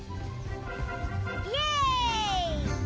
イエーイ！